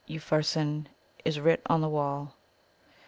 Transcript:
Upharsin is writ on the wall.